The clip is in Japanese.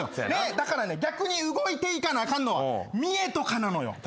だから逆に動いていかなあかんのは三重とかなのよ。